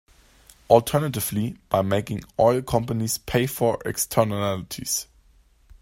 Alternatively, by making oil companies pay for externalities.